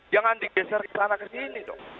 maka akan digeser ke sana ke sini dong